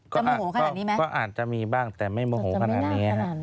จะโมโหขนาดนี้ไหมก็อาจจะมีบ้างแต่ไม่โมโหขนาดนี้